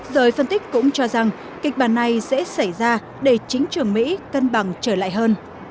giới phân tích cũng cho rằng kịch bản này sẽ xảy ra để chính trường mỹ cân bằng trở lại hơn